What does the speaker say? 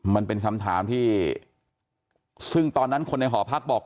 มันเป็นคำถามที่ซึ่งตอนนั้นคนในหอพักบอก